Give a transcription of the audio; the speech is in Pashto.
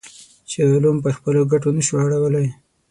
چې علوم پر خپلو ګټو نه شو اړولی.